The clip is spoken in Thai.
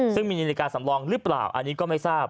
ซึ่งมีนาฬิกาสำรองหรือเปล่าอันนี้ก็ไม่ทราบ